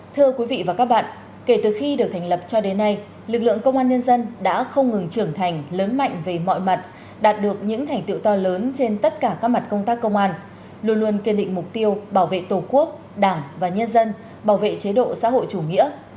thưa quý vị và các bạn kể từ khi được thành lập cho đến nay lực lượng công an nhân dân đã không ngừng trưởng thành lớn mạnh về mọi mặt đạt được những thành tiệu to lớn trên tất cả các mặt công tác công an luôn luôn kiên định mục tiêu bảo vệ tổ quốc đảng và nhân dân bảo vệ chế độ xã hội chủ nghĩa